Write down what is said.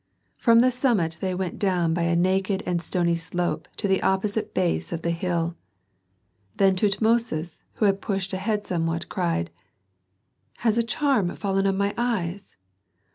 From the summit they went down by a naked and stony slope to the opposite base of the hill. Then Tutmosis, who had pushed ahead somewhat, cried, "Has a charm fallen on my eyes?